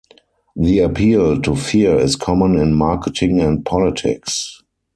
The appeal to fear is common in marketing and politics.